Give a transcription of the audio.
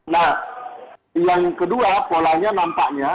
nah yang kedua polanya nampaknya